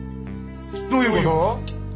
どういうこと？